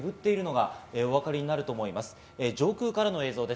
煙で白く煙っているのがお分かりになると思います。